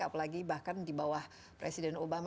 apalagi bahkan di bawah presiden obama